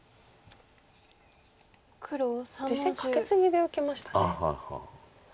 実戦カケツギで受けましたね。